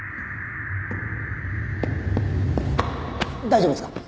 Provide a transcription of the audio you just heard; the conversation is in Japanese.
大丈夫ですか？